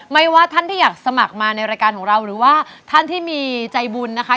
ว่าท่านที่อยากสมัครมาในรายการของเราหรือว่าท่านที่มีใจบุญนะคะ